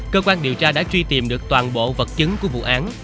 cơ quan điều tra đã truy tìm được toàn bộ vật chứng của vụ án